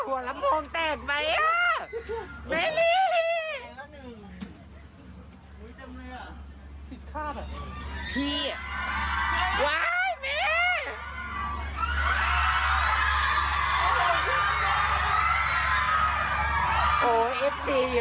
โอ้โหเอฟซีเยอะมาก